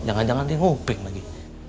jangan jangan dia ngoping lagi